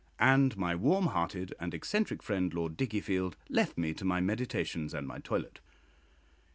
And my warm hearted and eccentric friend, Lord Dickiefield, left me to my meditations and my toilet.